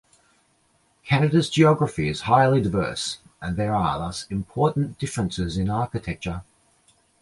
Canada's geography is highly diverse, and there are thus important differences in architecture.